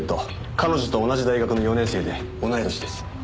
彼女と同じ大学の４年生で同い年です。